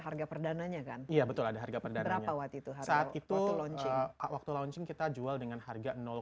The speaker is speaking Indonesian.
harga perdananya kan iya betul ada harga perdana waktu itu saat itu kita jual dengan harga dua belas